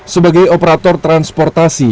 sebagai operator transportasi